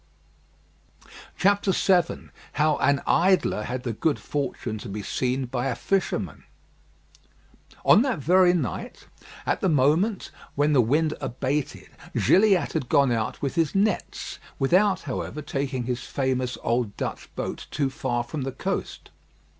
VII HOW AN IDLER HAD THE GOOD FORTUNE TO BE SEEN BY A FISHERMAN On that very night, at the moment when the wind abated, Gilliatt had gone out with his nets, without, however, taking his famous old Dutch boat too far from the coast.